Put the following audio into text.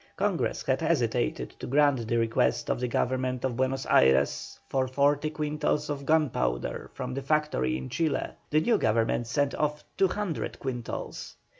Congress had hesitated to grant the request of the Government of Buenos Ayres for forty quintals of gunpowder from the factory in Chile; the new Government sent off two hundred quintals.